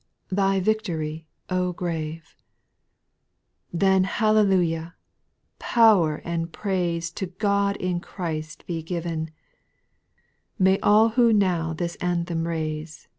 Thy victory, O grave ? 6. Then hallelujah I power and praise To God in Christ be given ; May all who now this anthem raise.